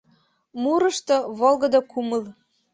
Мурышто — волгыдо кумыл